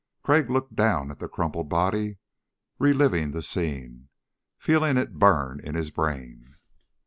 Crag looked down at the crumpled body, reliving the scene, feeling it burn in his brain.